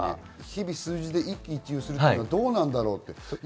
日々、数字で一喜一憂するのはどうなんだろう？